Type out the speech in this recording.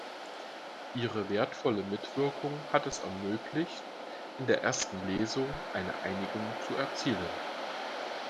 Ihre wertvolle Mitwirkung hat es ermöglicht, in erster Lesung eine Einigung zu erzielen.